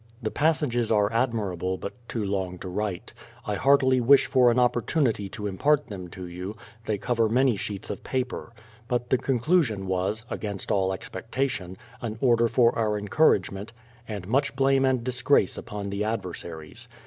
The passages are admirable, but too long to write. I heartily wish for an opportunity to impart them to you : they cover many sheets of paper. But the conclusion was (against all expectation) an order for our encouragement, and much blame and disgrace upon the adversaries.